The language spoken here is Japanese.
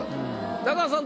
中田さん